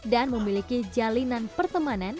dan memiliki jalinan pertemanan